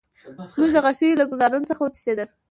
زموږ د غشیو له ګوزارونو څخه وتښتېدل.